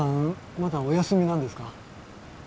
まだお休みなんですか？